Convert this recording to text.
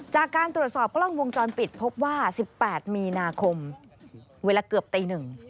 จากการตรวจสอบกล้องวงจรปิดพบว่า๑๘มีนาคมเวลาเกือบตีหนึ่ง